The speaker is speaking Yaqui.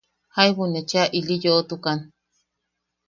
Jaibu ne cheʼa ili yoʼotukan;.